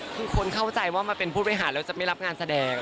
คือคนเข้าใจว่ามาเป็นผู้บริหารแล้วจะไม่รับงานแสดง